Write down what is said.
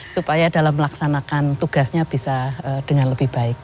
supaya dalam melaksanakan tugasnya bisa dengan lebih baik